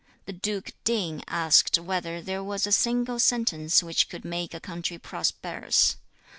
The Duke Ting asked whether there was a single sentence which could make a country prosperous.